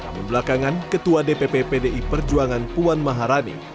belakangan ketua dpp pdi perjuangan puan maharani